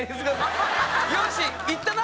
よし行ったな」。